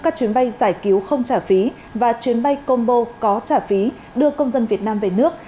các chuyến bay giải cứu không trả phí và chuyến bay combo có trả phí đưa công dân việt nam về nước